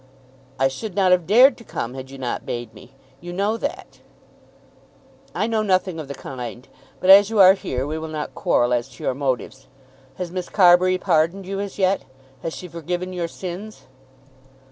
"I should not have dared to come, had you not bade me. You know that." "I know nothing of the kind; but as you are here we will not quarrel as to your motives. Has Miss Carbury pardoned you as yet? Has she forgiven your sins?"